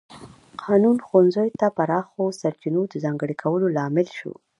قانون ښوونځیو ته پراخو سرچینو د ځانګړي کولو لامل شو.